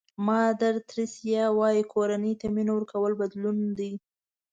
مادر تریسیا وایي کورنۍ ته مینه ورکول بدلون دی.